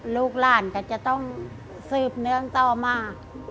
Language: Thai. ลูกลาลก็จะต้องซื้บเนื้อต่อมา